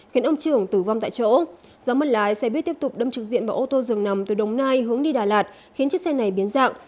khiến ông trưởng tử vong tại chỗ do mất lái xe buýt tiếp tục đâm trực diện vào ô tô dường nằm từ đồng nai hướng đi đà lạt khiến chiếc xe này biến dạng